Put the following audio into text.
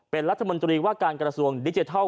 เป็นรัฐมนตรีว่าการกระทรวงดิจิทัล